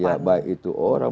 ya baik itu orang